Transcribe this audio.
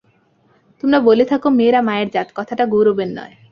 তোমরা বলে থাক– মেয়েরা মায়ের জাত, কথাটা গৌরবের নয়।